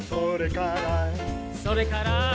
「それから」